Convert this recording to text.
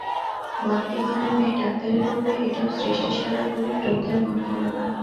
বনেদি ঘরের মেয়ে ডাক্তারি করবে এটাও সৃষ্টিছাড়া বলে বৃদ্ধের মনে হল না।